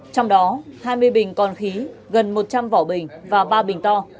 trong đó hai mươi bình còn khí gần một trăm linh vỏ bình và ba bình to